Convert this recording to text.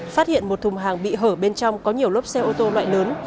phát hiện một thùng hàng bị hở bên trong có nhiều lốp xe ô tô loại lớn